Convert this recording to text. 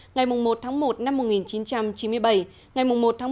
ngày một một một nghìn chín trăm chín mươi bảy ngày một một hai nghìn một mươi bảy